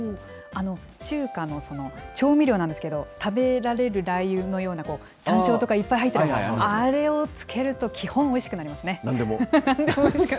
中華の調味料なんですけど、食べられるラー油のような、山椒とかいっぱい入ってるの、あれをつけると、基本おいしくなりなんでも。